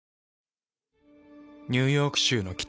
ニューヨーク州の北。